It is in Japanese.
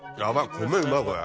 米うまいこれ。